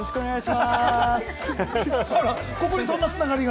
ここにそんなつながりが？